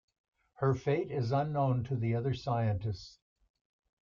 Her fate is unknown to the other scientists.